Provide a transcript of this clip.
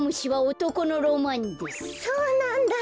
そうなんだ。